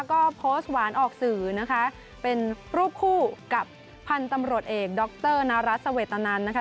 ก็โพสต์หวานออกสื่อนะคะเป็นรูปคู่กับพันธุ์ตำรวจเอกดรนรัฐสเวตนันนะคะ